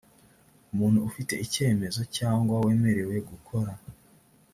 umuntu ufite icyemezo cyangwa wemerewe gukora